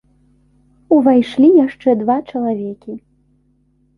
Увайшлі яшчэ два чалавекі.